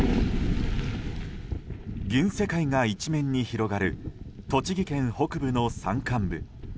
銀世界が一面に広がる栃木県北部の山間部。